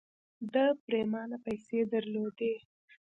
ده پرېمانه پيسې درلودې.